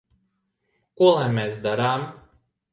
Ko lai mēs darām?